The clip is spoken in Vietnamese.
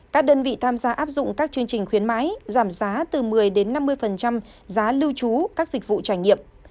các đơn vị tham gia áp dụng các chương trình khuyến mãi giảm giá từ một mươi năm mươi giá lưu trú các dịch vụ trải nghiệm